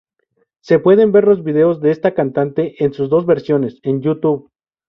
Se pueden ver los vídeos de esta cantante, en sus dos versiones, en Youtube.